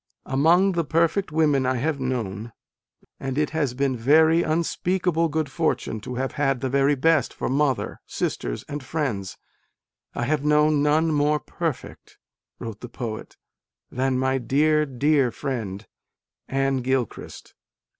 * Among the perfect women I have known (and it has been very unspeakable good fortune to have had the very best for mother, sisters and friends), I have known none more perfect," wrote the poet, "than my dear, dear friend, Anne Gilchrist."